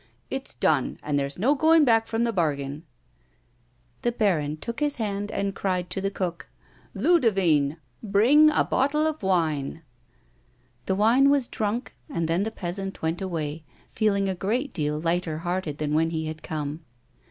" It's done, and there's no going back from the bargain." The baron took his hand and cried to the cook :" Ludivine ! Bring a bottle of wine." The wine was drvmk and then the peasant went away, feeling a great deal lighter hearted than when he had come.